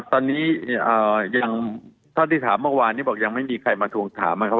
ตอนนี้ยังเท่าที่ถามเมื่อวานนี้บอกยังไม่มีใครมาทวงถามนะครับ